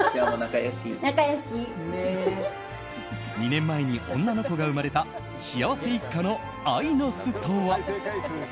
２年前に女の子が生まれた幸せ一家の愛の巣とは？